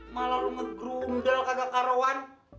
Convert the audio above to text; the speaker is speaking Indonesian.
malah lo ngegrundel kagak karawan